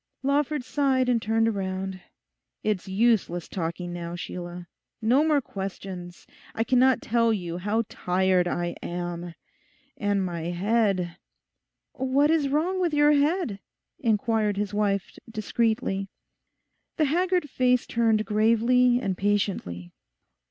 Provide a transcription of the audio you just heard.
Lawford sighed and turned round. 'It's useless talking now, Sheila. No more questions. I cannot tell you how tired I am. And my head—' 'What is wrong with your head?' inquired his wife discreetly. The haggard face turned gravely and patiently.